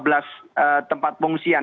masih dua belas tempat pengungsian